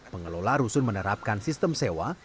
pengelola rusun menerapkan sistem sewa